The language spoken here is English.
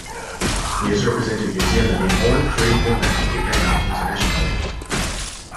He has represented New Zealand in all three formats of the game internationally.